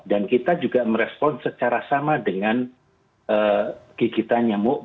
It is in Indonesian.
dan kita juga merespon secara sama dengan gigitan nyamuk